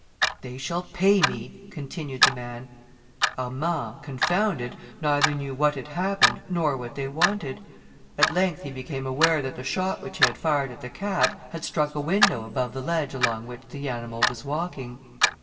"They shall pay me," continued the man. Armand, confounded, neither knew what had happened, nor what they wanted. At length he became aware that the shot which he had fired at the cat, had struck a window above the ledge along which the animal was walking.